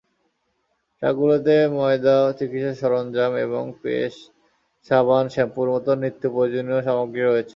ট্রাকগুলোতে ময়দা, চিকিৎসা সরঞ্জাম এবং পেস্ট, সাবান, শ্যাম্পুর মতো নিত্যপ্রয়োজনীয় সামগ্রী রয়েছে।